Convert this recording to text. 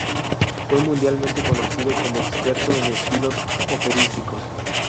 Fue mundialmente conocido como experto en estilos operísticos.